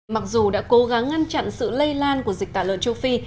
mặc dù đã cố gắng ngăn chặn sự lây lan của dịch tả lợn châu phi